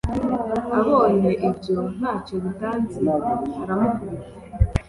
Abonye ibyo nta cyo bitanze aramukubita